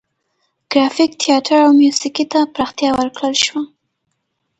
ګرافیک، تیاتر او موسیقي ته پراختیا ورکړل شوه.